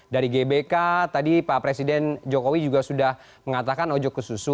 dari gbk tadi pak presiden jokowi juga sudah mengatakan ojok ke susu